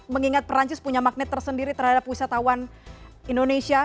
mengingat perancis punya magnet tersendiri terhadap wisatawan indonesia